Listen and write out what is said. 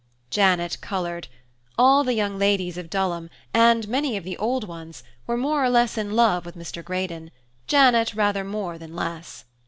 Janet coloured. All the young ladies of Dulham, and many of the old ones, were more or less in love with Mr. Greydon, Janet rather more than less.